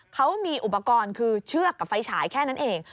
เขามีอุปกรณ์คือเชือกกับไฟฉายแค่นั้นเอง